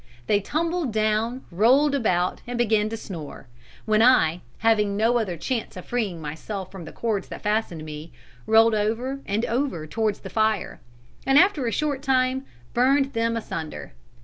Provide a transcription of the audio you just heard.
They tumbled down, rolled about and began to snore, when I, having no other chance of freeing myself from the cords that fastened me, rolled over and over towards the fire, and after a short time burned them asunder.